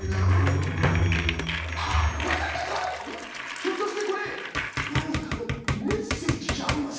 ひょっとしてこれなにかのメッセージじゃありませんか！？